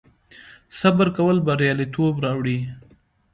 صبر کول بریالیتوب راوړي